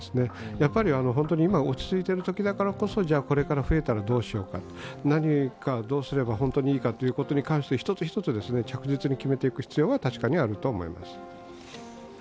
やっぱり今、落ち着いているときだからこそ、これから増えたらどうしようか、どうしたら本当にいいかっていうことに関して一つ一つ着実に決めていく必要が確かにあると思います。